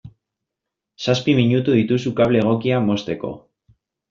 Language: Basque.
Zazpi minutu dituzu kable egokia mozteko.